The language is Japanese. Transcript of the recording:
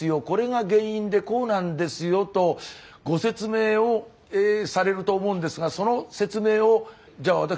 これが原因でこうなんですよとご説明をされると思うんですがその説明をじゃあ